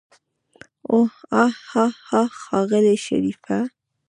اوح هاهاها ښاغلی شريفه.